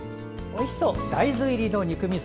大豆入りの肉みそ。